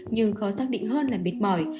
nhưng khó xác định hơn là mệt mỏi